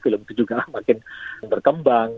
itu juga makin berkembang